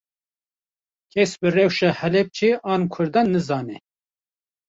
Kes bi rewşa Helepçe an Kurdan nizane